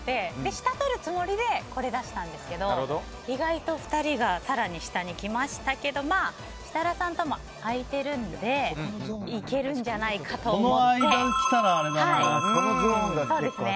下取るつもりでこれ出したんですけど意外と２人が更に下に来ましたけどまあ、設楽さんとも開いてるので行けるんじゃないかと思って。